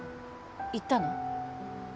言ったの？